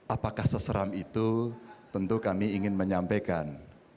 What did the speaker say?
apakah seseram itu tentu kami ingin menyampaikan